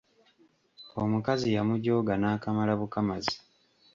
Omukazi yamujooga n'akamala bukamazi.